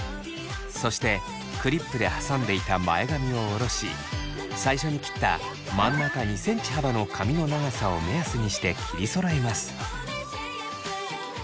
そしてクリップで挟んでいた前髪を下ろし最初に切った真ん中２ｃｍ幅の髪の長さを目安にして切りそろえます。